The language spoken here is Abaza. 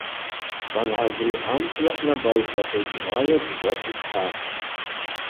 Бангӏадри амшла хӏнабайхӏвахӏвитӏ, Майя Джьгват йпхӏа!